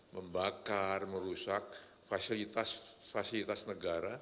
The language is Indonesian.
membakar merusak fasilitas negara